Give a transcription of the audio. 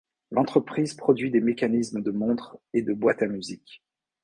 L'entreprise produit des mécanismes de montres et de boîtes à musique.